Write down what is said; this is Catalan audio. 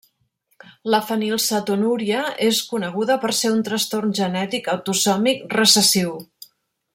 La fenilcetonúria és coneguda per ser un trastorn genètic autosòmic recessiu.